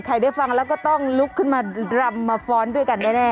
ได้ฟังแล้วก็ต้องลุกขึ้นมารำมาฟ้อนด้วยกันแน่